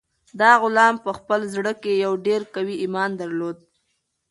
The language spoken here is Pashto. دغه غلام په خپل زړه کې یو ډېر قوي ایمان درلود.